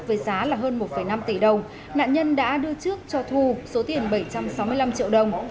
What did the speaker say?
với giá là hơn một năm tỷ đồng nạn nhân đã đưa trước cho thu số tiền bảy trăm sáu mươi năm triệu đồng